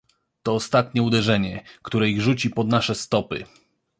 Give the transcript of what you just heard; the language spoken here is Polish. "To ostatnie uderzenie, które ich rzuci pod nasze stopy."